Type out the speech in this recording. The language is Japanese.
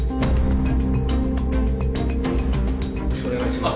よろしくお願いします。